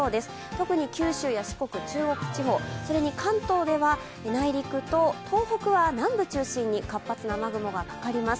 特に九州や四国、中国地方、それに関東では内陸と、東北は南部中心に活発な雨雲がかかります。